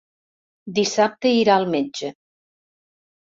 Dissabte irà al metge.